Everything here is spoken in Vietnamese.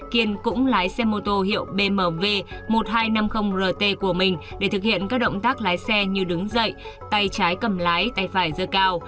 kiên cũng lái xe mô tô hiệu bmw một nghìn hai trăm năm mươi rt của mình để thực hiện các động tác lái xe như đứng dậy tay trái cầm lái tay phải dơ cao